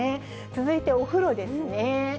続いてお風呂ですね。